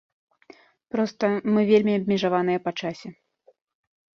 Проста, мы вельмі абмежаваныя па часе.